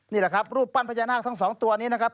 นี่แหละครับรูปปั้นพญานาคทั้งสองตัวนี้นะครับ